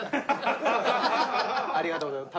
ありがとうございます。